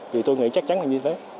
vì tôi nghĩ chắc chắn là như thế